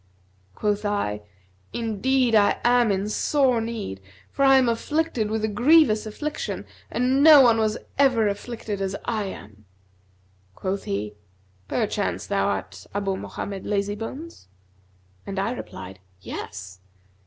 Quoth I, 'Indeed I am in sore need, for I am afflicted with a grievous affliction and no one was ever afflicted as I am!' Quoth he, 'Perchance thou art Abu Mohammed Lazybones?' and I replied, 'Yes.'